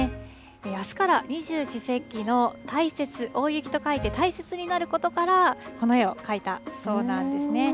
あすから二十四節気の大雪、大雪と書いてたいせつになることからこの絵を描いたそうなんですね。